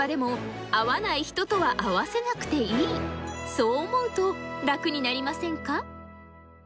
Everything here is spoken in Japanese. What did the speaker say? そう思うとラクになりませんか？